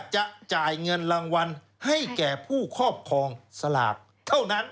จะจ่ายเงินรางวัลให้แก่ผู้ครอบครองสลากเท่านั้น